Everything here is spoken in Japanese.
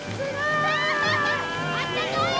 あったかいよ！